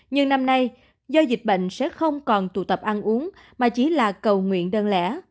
nhưng năm nay do dịch bệnh sẽ không còn tụ tập ăn uống mà chỉ là cầu nguyện đơn lẻ